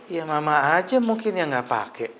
ya mama aja mungkin yang gak pake